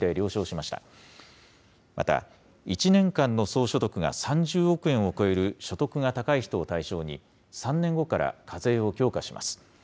また、１年間の総所得が３０億円を超える所得が高い人を対象に、３年後から課税を強化します。